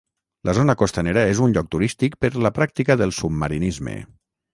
La zona costanera és un lloc turístic per la pràctica del submarinisme.